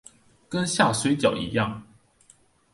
跟下水餃一樣